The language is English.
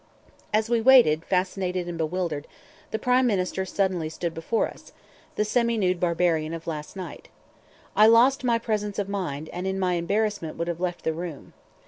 As we waited, fascinated and bewildered, the Prime Minister suddenly stood before us, the semi nude barbarian of last night. I lost my presence of mind, and in my embarrassment would have left the room.